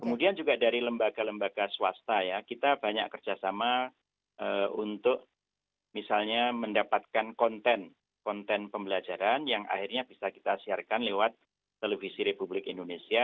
kemudian juga dari lembaga lembaga swasta ya kita banyak kerjasama untuk misalnya mendapatkan konten konten pembelajaran yang akhirnya bisa kita siarkan lewat televisi republik indonesia